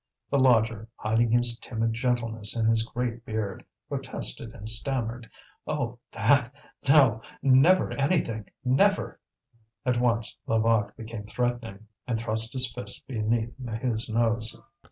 The lodger, hiding his timid gentleness in his great beard, protested and stammered: "Oh, that? No! Never anything! never!" At once Levaque became threatening, and thrust his fist beneath Maheu's nose.